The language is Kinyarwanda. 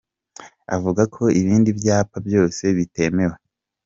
Avuga ko ibindi byapa byose bitemewe.